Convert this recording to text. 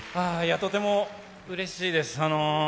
とてもうれしいです。